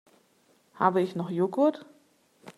Habe ich noch Joghurt?